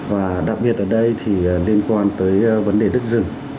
và đặc biệt ở đây thì liên quan tới vấn đề đất rừng